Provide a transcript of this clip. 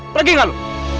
pergi gak lo